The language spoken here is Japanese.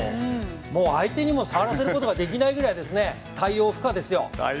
もう相手にも触らせることができないぐらい対応不可ですよ。